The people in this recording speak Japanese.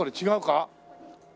違うか？